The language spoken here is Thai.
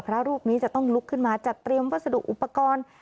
พระรูปนี้จะต้องลุกขึ้นมาจัดเตรียมวัสดุอุปกรณ์